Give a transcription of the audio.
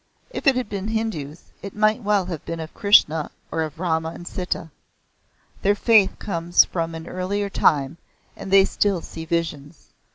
If they had been Hindus, it might well have been of Krishna or of Rama and Sita. Their faith comes from an earlier time and they still see visions.